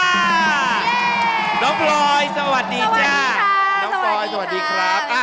เย้น้องปลอยสวัสดีจ้าสวัสดีค่ะ